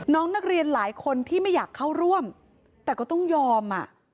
น้องนักเรียนหลายคนที่ไม่อยากเข้าร่วมแต่ก็ต้องยอมอ่ะ